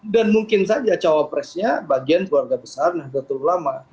dan mungkin saja cowok presnya bagian keluarga besar nahdlatul ulama